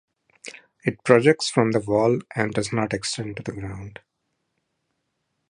It projects from the wall and does not extend to the ground.